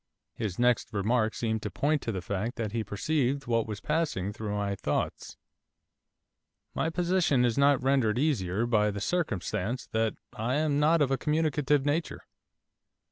His next remark seemed to point to the fact that he perceived what was passing through my thoughts. 'My position is not rendered easier by the circumstance that I am not of a communicative nature.